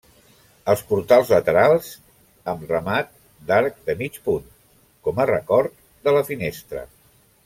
Els portals laterals amb remat d'arc de mig punt com a record de la finestra.